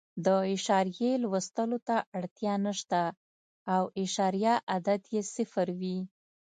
د اعشاریې لوستلو ته اړتیا نه شته او اعشاریه عدد یې صفر وي.